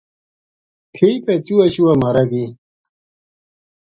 ٹھیک ہے چوہا شوہا مارے گی